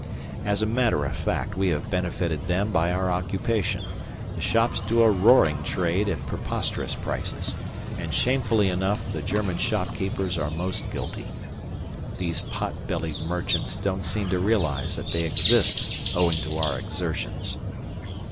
As a matter of fact we have benefited them by our occupation, the shops do a roaring trade at preposterous prices, and shamefully enough the German shopkeepers are most guilty. These pot bellied merchants don't seem to realize that they exist owing to our exertions.